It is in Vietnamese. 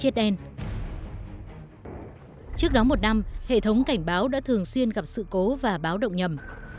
trước đó một năm hệ thống cảnh báo đã thường xuyên gặp sự cố và báo động nhầm